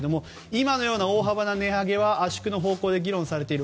今のような大幅な値上げは圧縮の方向で議論されている。